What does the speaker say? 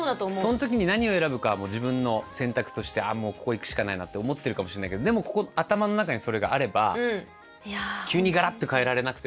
その時に何を選ぶかは自分の選択として「ああもうここ行くしかないな」って思ってるかもしれないけどでもここ頭の中にそれがあれば急にガラッと変えられなくても。